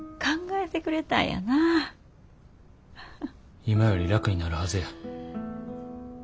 今より楽になるはずや。